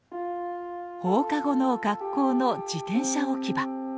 放課後の学校の自転車置き場。